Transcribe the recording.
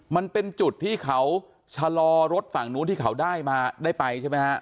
มันเป็นจุดที่เขาชะลอรถฝั่งนู้นที่เขาได้มาได้ไปใช่ไหมฮะ